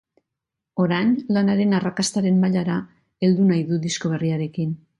Orain, lan haren arrakastaren mailara heldu nahi du disko berriarekin.